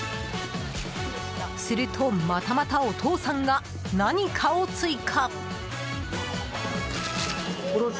すると、またまたお父さんが何かを追加。